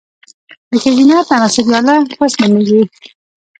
د ښځينه تناسلي اله، کوس نوميږي